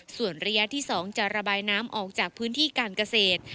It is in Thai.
ส่วนระยะที่๒จะระบายน้ำออกจากพื้นที่การเกษตร